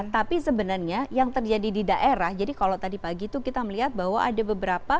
tapi sebenarnya yang terjadi di daerah jadi kalau tadi pagi itu kita melihat bahwa ada beberapa